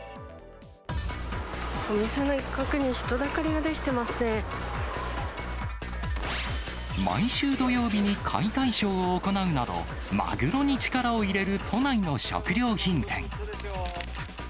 お店の一角に人だかりが出来毎週土曜日に解体ショーを行うなど、マグロに力を入れる都内の食料品店。